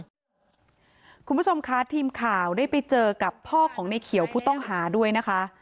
คุณผู้ชมคะทีมข่าวได้ไปเจอกับพ่อของในเขียวผู้ต้องหาด้วยนะคะ